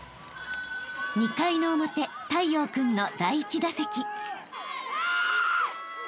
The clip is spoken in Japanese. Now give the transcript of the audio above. ［２回の表太陽君の第１打席］